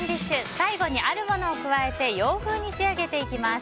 最後にあるものを加えて洋風に仕上げていきます。